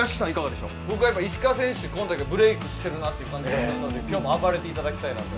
僕は石川選手、今大会ブレークしているなと思うので今日も暴れていただきたいなと。